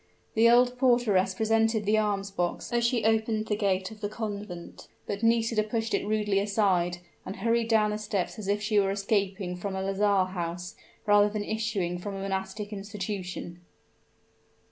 The old porteress presented the alms box as she opened the gate of the convent; but Nisida pushed it rudely aside, and hurried down the steps as if she were escaping from a lazar house, rather than issuing from a monastic institution.